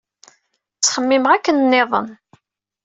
Ttxemmimeɣ akken-nniḍen.